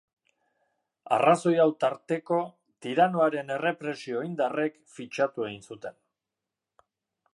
Arrazoi hau tarteko tiranoaren errepresio indarrek fitxatu egin zuten.